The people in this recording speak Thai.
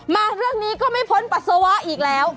มาเรื่องนี้ก็ไม่พ้นปัสสาวะอีกแล้ว